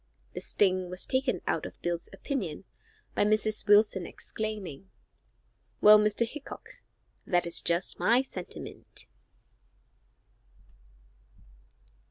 The sting was taken out of Bill's opinion by Mrs. Wilson exclaiming, "Well, Mr. Hickok, that is just my sentiment."